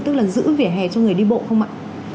tức là giữ vỉa hè cho người đi bộ không ạ